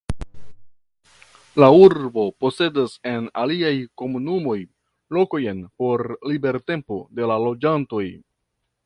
La urbo posedas en aliaj komunumoj lokojn por libertempo de la loĝantoj.